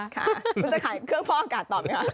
คุณจะขายเครื่องฟอกอากาศต่อไหมคะ